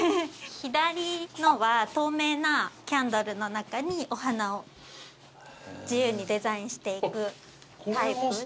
左のは透明なキャンドルの中にお花を自由にデザインしていくタイプ。